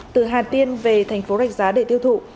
từ hà tiên về thành phố rạch giá để tiêu thụ